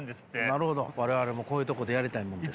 なるほど我々もこういうところでやりたいもんです。